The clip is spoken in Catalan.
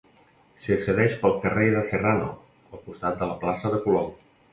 S'hi accedeix pel carrer de Serrano, al costat de la plaça de Colom.